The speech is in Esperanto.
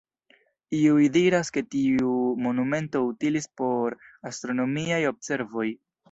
Iuj diras ke tiu monumento utilis por astronomiaj observoj.